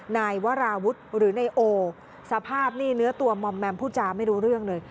นายวราวุฒิหรือนายโอสภาพนี่เนื้อตัวมอมแมมพูดจาไม่รู้เรื่องเลย